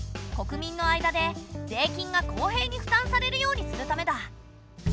国民の間で税金が公平に負担されるようにするためだ。